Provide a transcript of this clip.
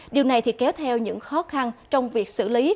điều này thì kéo theo những khó khăn trong việc xử lý